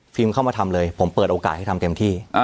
เข้ามาทำเลยผมเปิดโอกาสให้ทำเต็มที่